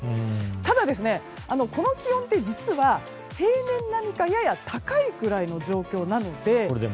ただ、この気温って実は平年並みかやや高いくらいの状況なので。